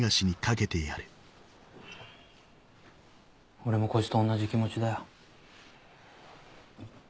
俺もこいつと同じ気持ちだよ。